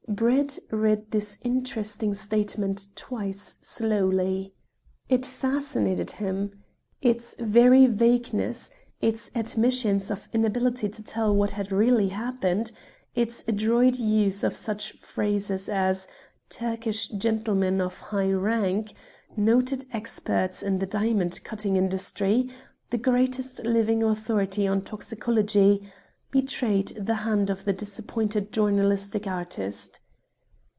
Brett read this interesting statement twice slowly. It fascinated him. Its very vagueness, its admissions of inability to tell what had really happened, its adroit use of such phrases as "Turkish gentlemen of high rank," "Noted experts in the diamond cutting industry," "The greatest living authority on toxicology," betrayed the hand of the disappointed journalistic artist.